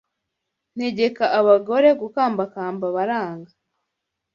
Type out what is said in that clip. Ntegeka abagore gukambakamba baranga